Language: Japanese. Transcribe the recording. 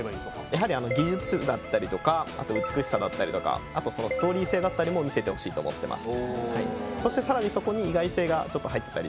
やはり技術だったりとかあと美しさだったりとかあとストーリー性だったりも見せてほしいと思ってます